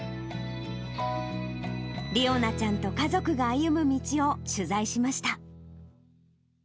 理央奈ちゃんと家族が歩む道を取材しました。